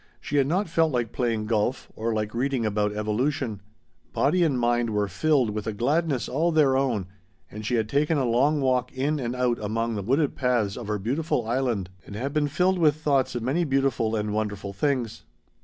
She had not felt like playing golf, or like reading about evolution; body and mind were filled with a gladness all their own and she had taken a long walk in and out among the wooded paths of her beautiful Island and had been filled with thoughts of many beautiful and wonderful things.